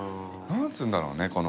何つうんだろうね